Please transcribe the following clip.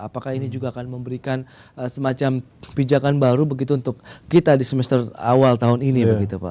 apakah ini juga akan memberikan semacam pijakan baru begitu untuk kita di semester awal tahun ini begitu pak